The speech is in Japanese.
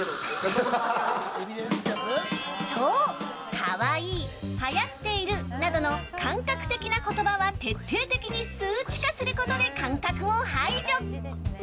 かわいいや流行っているなどの感覚的な言葉は徹底的に数値化することで感覚を排除。